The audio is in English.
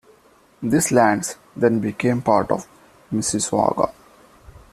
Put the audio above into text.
These lands then became part of Mississauga.